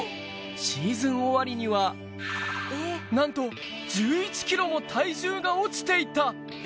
シーズン終わりには、なんと１１キロも体重が落ちていた。